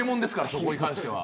そこに関しては。